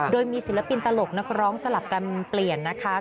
โดยมีศิลปินตลกนักร้องสลับกันเปลี่ยนนะคะ